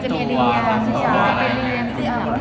ก็คือตอนนี้น้องฝุ่นเหมือนกันเรียงหนอ